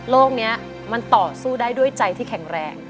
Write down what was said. นี้มันต่อสู้ได้ด้วยใจที่แข็งแรง